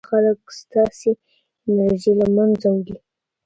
منفي خلک ستاسې انرژي له منځه وړي.